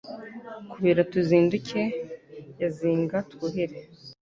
Kubira-tuzinduke ya Zinga-twuhire ;